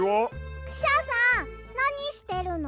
クシャさんなにしてるの？